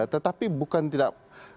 tetapi bukan tidak